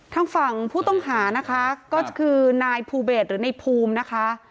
ทางฝั่งผู้ต้องหานะคะก็คือนายภูเบศหรือในภูมินะคะ